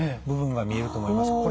部分が見えると思います。